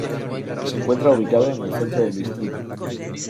Se encuentra ubicado en el centro del distrito.